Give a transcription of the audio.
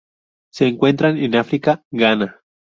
Se encuentran en África: Ghana.